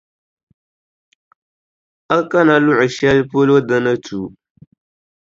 A kana luɣʼ shɛli polo di ni tu.